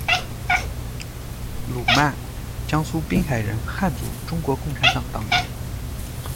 鲁曼，江苏滨海人，汉族，中国共产党党员。